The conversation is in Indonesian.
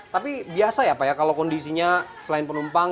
tapi biasa ya pak ya kalau kondisinya selain penumpang